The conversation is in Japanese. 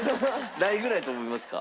何位ぐらいやと思いますか？